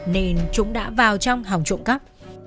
nên chúng đã vào trong hòng trộm cắp